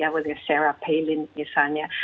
ada sarah palin misalnya